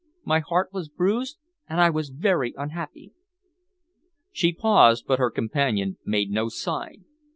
My heart was bruised, and I was very unhappy." She paused, but her companion made no sign.